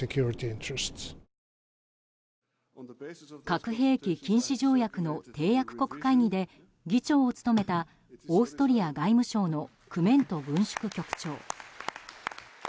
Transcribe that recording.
核兵器禁止条約の締約国会議で議長を務めたオーストリア外務省のクメント軍縮局長。